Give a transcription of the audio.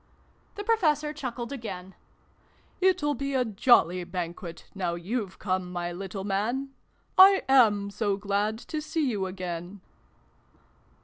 The Professor chuckled again. " It'll be a jolly Banquet, now you've come, my little man ! I am so glad to see you again